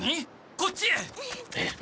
こっちへ。